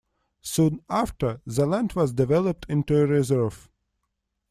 Soon after, the land was developed into a reserve.